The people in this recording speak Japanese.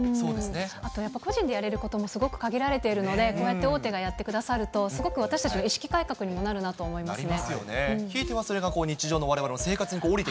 あとやっぱり個人でやれることもすごく限られているので、こうやって大手がやってくださると、すごく私たちの意識改革にもなるなと思いますね。